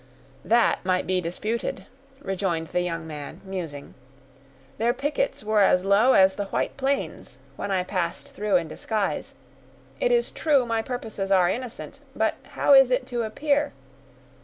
"That might be disputed," rejoined the young man, musing. "Their pickets were as low as the White Plains when I passed through in disguise. It is true my purposes are innocent; but how is it to appear?